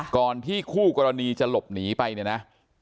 ก่อนที่คู่กรณีจะหลบหนีไปเนี่ยนะ